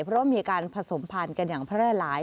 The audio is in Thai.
เพราะว่ามีการผสมพันธุ์กันอย่างแพร่หลาย